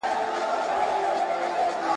اورېدل د تفریح په وخت کي تر لیکلو ګټور وي.